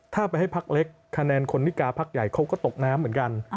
ถ้าไปให้พักเล็กคะแนนคนนิกาพักใหญ่เขาก็ตกน้ำเหมือนกัน